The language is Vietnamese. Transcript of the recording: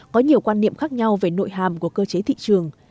có nhiều quan niệm khác nhau về nội hàm của cơ chế thị trường